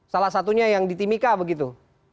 salah satunya yang di timika begitu